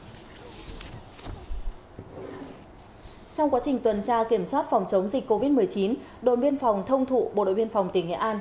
trong quá trình tuần tra kiểm soát phòng chống dịch covid một mươi chín đồn biên phòng thông thụ bộ đội biên phòng tỉnh nghệ an